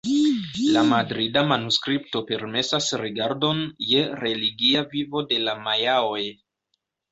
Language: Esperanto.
La Madrida manuskripto permesas rigardon je religia vivo de la majaoj.